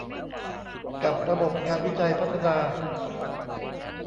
กับระบบงานวิจัยพัฒนา